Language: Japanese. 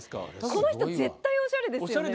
この人絶対おしゃれですよね。